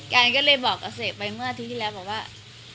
กันก็เลยบอกอาเศษไปเมื่อที่ที่แล้วบอกว่า